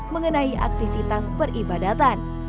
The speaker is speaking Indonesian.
mengenai aktivitas peribadatan